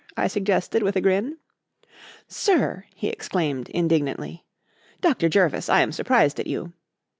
I suggested, with a grin. "Sir!" he exclaimed indignantly. "Dr. Jervis, I am surprised at you."